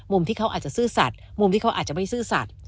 ที่เขาอาจจะซื่อสัตว์มุมที่เขาอาจจะไม่ซื่อสัตว